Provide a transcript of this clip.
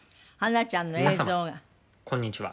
「皆様こんにちは」